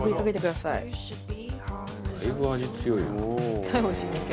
「だいぶ味強いな」